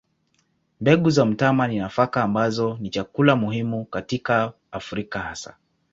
Mbegu za mtama ni nafaka ambazo ni chakula muhimu katika Afrika hasa.